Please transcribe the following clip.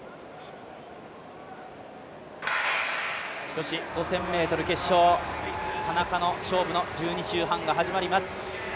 女子５０００ｍ決勝、田中の勝負の１２周半が始まります。